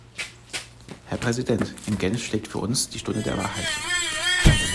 Herr Präsident, in Genf schlägt für uns die Stunde der Wahrheit.